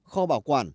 kho bảo quản